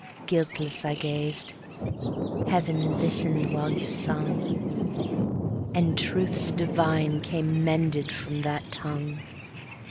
Guiltless I gazed; Heaven listen'd while you sung; And truths divine came mended from that tongue.